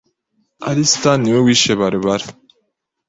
Alister niwe wishe Barbara.